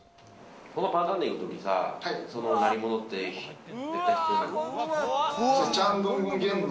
このパターンでいくときさ、その鳴り物って、絶対必要なの？